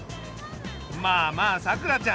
まあまあさくらちゃん